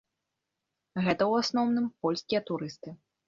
Гэта ў асноўным польскія турысты.